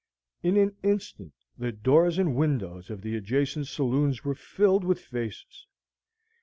In an instant the doors and windows of the adjacent saloons were filled with faces.